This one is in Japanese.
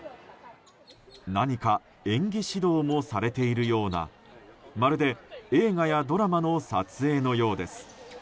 何か演技指導もされているようなまるで映画やドラマの撮影のようです。